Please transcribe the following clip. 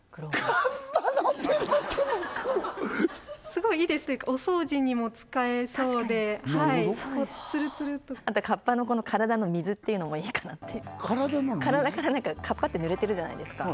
すごいいいですねお掃除にも使えそうでツルツルあとカッパの体の水っていうのもいいかなって体から何かカッパってぬれてるじゃないですか